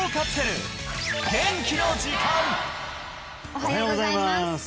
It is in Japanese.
おはようございます